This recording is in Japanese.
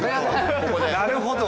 なるほど！